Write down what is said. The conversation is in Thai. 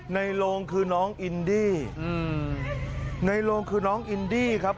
ในโลงคือน้องอืมในโลงคือน้องครับ